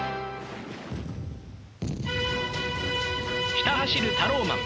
ひた走るタローマン。